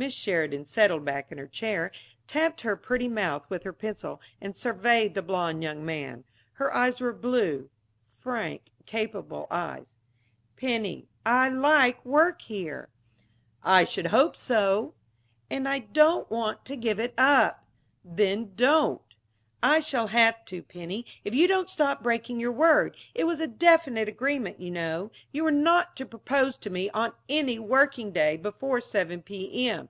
Miss Sheridan settled back in her chair, tapped her pretty mouth with her pencil, and surveyed the blond young man. Her eyes were blue frank, capable eyes. "Penny, I like my work here " "I should hope so " "And I don't want to give it up." "Then don't." "I shall have to, Penny, if you don't stop breaking your word. It was a definite agreement, you know. You were not to propose to me, on any working day, before seven P.M.